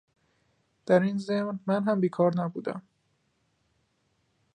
دراین ضمن من هم بیکار نبودم